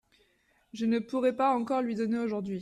Je ne pourrai pas encore lui donner aujourd’hui !